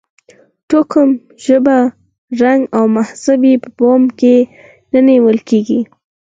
توکم، ژبه، رنګ او مذهب یې په پام کې نه نیول کېږي.